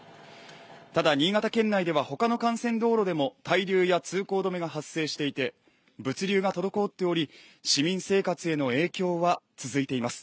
ただ新潟県内では他の幹線道路でも滞留や通行止めが発生していて物流が滞っており市民生活への影響は続いています。